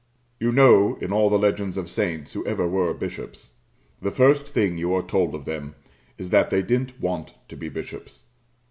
You know in all legends of saints who ever were bishops, the first thing you are told of them is that they didn't want to be bishops.